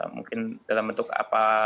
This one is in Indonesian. mungkin dalam bentuk apa